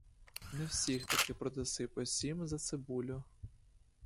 Не всіх таки продаси по сім за цибулю.